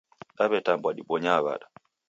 Dawetambwa dibonyaa wada